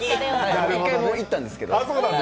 一回、もう行ったんですけど。